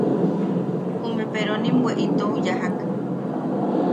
Jume peronim bwe itou yajak.